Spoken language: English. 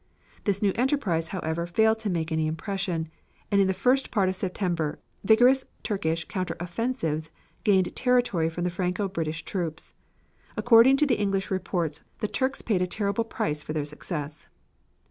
This new enterprise, however, failed to make any impression, and in the first part of September, vigorous Turkish counter offensives gained territory from the Franco British troops. According to the English reports the Turks paid a terrible price for their success.